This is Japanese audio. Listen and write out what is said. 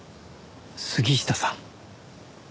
杉下さん。